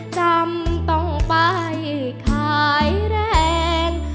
จำต้องไปขายแรง